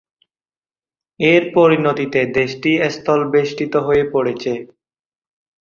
এর পরিণতিতে দেশটি স্থলবেষ্টিত হয়ে পড়েছে।